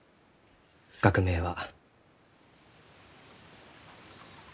学名は。